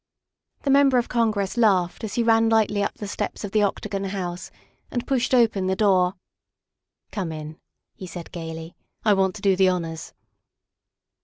The Member of Congress laughed as he ran lightly up the steps of the Octagon House and pushed open the door. " Come in," he said gayly, " I want to do the honors.